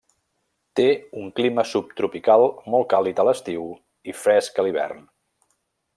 Té un clima subtropical molt càlid a l'estiu i fresc a l'hivern.